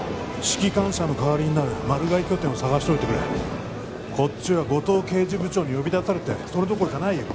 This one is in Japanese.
指揮官車の代わりになるマル害拠点を探しておいてくれこっちは五嶋刑事部長に呼び出されてそれどころじゃないよ